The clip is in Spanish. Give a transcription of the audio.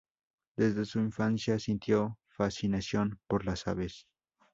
Desde su infancia sintió fascinación por las aves.